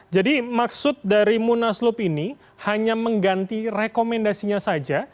jadi maksud dari munaslub ini hanya mengganti rekomendasinya saja